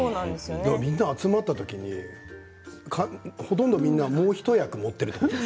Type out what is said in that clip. みんな集まった時にほとんどみんなもう一役持っているということ？